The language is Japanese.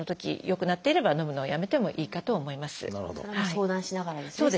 相談しながらですね先生と。